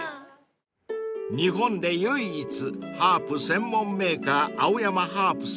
［日本で唯一ハープ専門メーカー青山ハープさん］